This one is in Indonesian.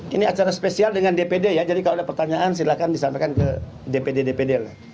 ini acara spesial dengan dpd ya jadi kalau ada pertanyaan silahkan disampaikan ke dpd dpd lah